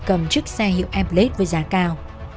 cầm chiếc xe hiệu m plate với giá cao